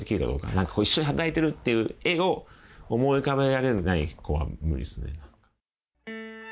なんかこう一緒に働いているっていう画を思い浮かべられない子は無理ですね。